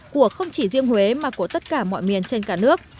của không chỉ riêng huế mà của tất cả mọi miền trên cả nước